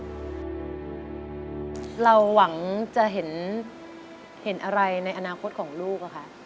เราหวังจะเห็นอะไรในอนาคตของลูกอะคะ